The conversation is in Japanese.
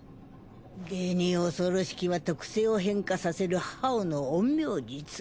げに恐ろしきは特性を変化させるハオの陰陽術。